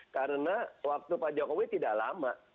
karena waktu pak jokowi tidak lama